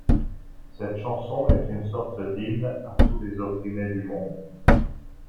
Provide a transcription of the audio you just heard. Cette chanson est une sorte d'hymne à tous les opprimés du monde.